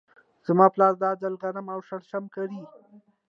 زما پلار دا ځل غنم او شړشم کري.